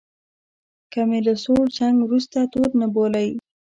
که مې له سوړ جنګ وروسته تود نه بولئ.